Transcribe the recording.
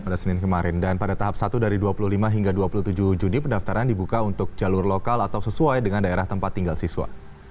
pada senin kemarin dan pada tahap satu dari dua puluh lima hingga dua puluh tujuh juni pendaftaran dibuka untuk jalur lokal atau sesuai dengan daerah tempat tinggal siswa